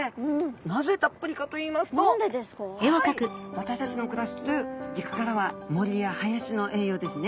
私たちの暮らしてる陸からは森や林の栄養ですね。